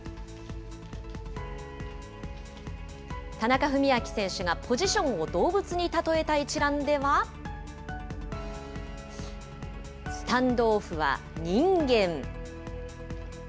田中史朗選手がポジションを動物に例えた一覧では、スタンドオフは人間。